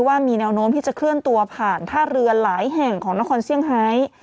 ว่ามีแนวโน้มที่จะเคลื่อนตัวผ่านท่าเรือหลายแห่งของนครเซี่ยงไฮ